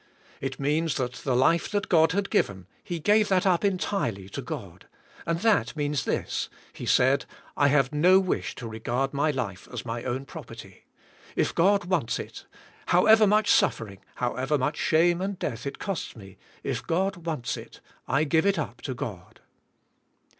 It means that the life that God had given He gave that up entirely to God, and that means this: He said, "I have no wish to regard my life CHRIS'T I.IVETH IN MK. 149 as my own property. If God wants it, however much suffering , however much shame and death, it costs me, if God wants it, I g ive it up to God."